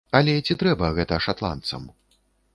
Але ці трэба гэта шатландцам?